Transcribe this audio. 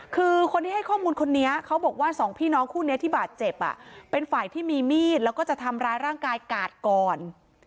คือคนที่ให้ข้อมูลคนนี้เขาบอกว่าสองพี่น้องคู่นี้ที่บาดเจ็บเป็นฝ่ายที่มีมีดแล้วก็จะทำร้ายร่างกายกาดก่อน